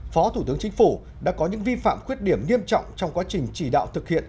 phó thủ tướng chính phủ đã có những vi phạm khuyết điểm nghiêm trọng trong quá trình chỉ đạo thực hiện